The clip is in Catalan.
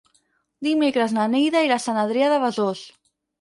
Dimecres na Neida irà a Sant Adrià de Besòs.